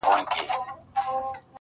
یو خوا مُلا دی بل خوا کرونا ده!